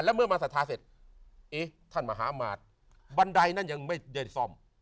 เมื่อมาศรัทธาเสร็จเอ๊ะท่านมหามาตรบันไดนั้นยังไม่ได้ซ่อม